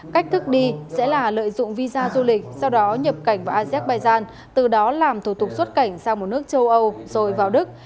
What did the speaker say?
cách thức đi sẽ là lợi dụng visa du lịch sau đó nhập cảnh vào azerbaijan từ đó làm thủ tục xuất cảnh sang một nước châu âu rồi vào đức